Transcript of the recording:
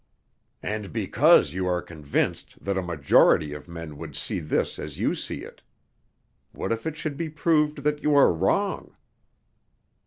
"And because you are convinced that a majority of men would see this as you see it. What if it should be proved that you are wrong?"